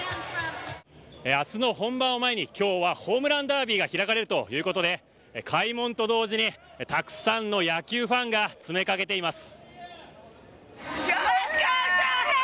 明日の本番を前に今日はホームランダービーが開かれるということで開門と同時にたくさんの野球ファンが詰めかけています。